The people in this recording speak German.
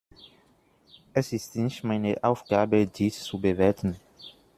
Es ist nicht meine Aufgabe, dies zu bewerten.